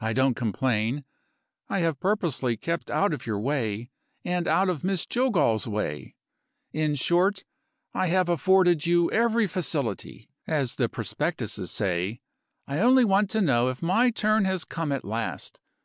I don't complain; I have purposely kept out of your way, and out of Miss Jillgall's way; in short, I have afforded you every facility, as the prospectuses say. I only want to know if my turn has come at last.